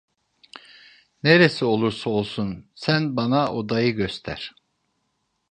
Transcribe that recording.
Neresi olursa olsun, sen bana odayı göster!